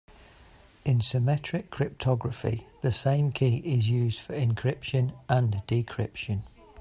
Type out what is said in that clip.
In symmetric cryptography the same key is used for encryption and decryption.